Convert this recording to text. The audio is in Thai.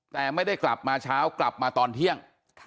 แต่ไม่ได้กลับมาเช้ากลับมาตอนเที่ยง